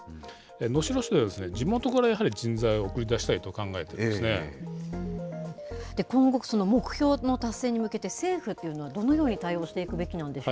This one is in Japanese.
能代市では、地元からやはり人材を送り出したいと考えているんで今後、目標の達成に向けて、政府というのはどのように対応していくべきなんでしょうか。